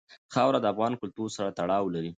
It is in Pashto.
خاوره د افغان کلتور سره تړاو لري.